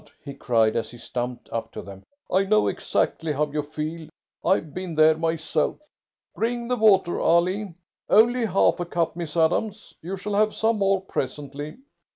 he cried, as he stumped up to them. "I know exactly how you feel. I've been there myself. Bring the water, Ali! Only half a cup, Miss Adams; you shall have some more presently.